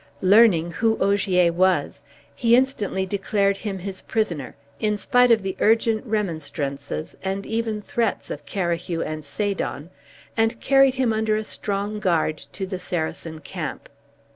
Learning who Ogier was, he instantly declared him his prisoner, in spite of the urgent remonstrances and even threats of Carahue and Sadon, and carried him under a strong guard to the Saracen camp.